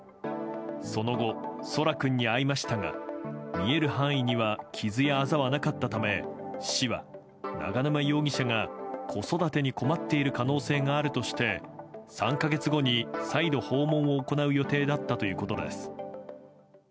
その後、奏良君に会いましたが見える範囲には傷やあざはなかったため、市は永沼容疑者が、子育てに困っている可能性があるとして３か月後に再度、訪問を行う予定だったということです。